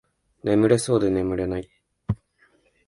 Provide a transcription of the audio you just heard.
眠れそうで眠れない